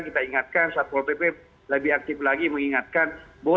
kita ingatkan saat pol pp lebih aktif lagi mengingatkan bolehlah aktivitas ekonomi